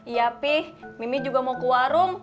iya pih mimi juga mau ke warung